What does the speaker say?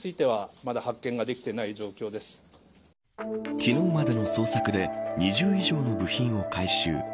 昨日までの捜索で２０以上の部品を回収。